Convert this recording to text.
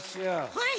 はい。